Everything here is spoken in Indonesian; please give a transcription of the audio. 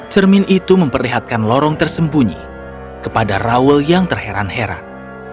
cermin itu memperlihatkan lorong tersembunyi kepada raul yang terheran heran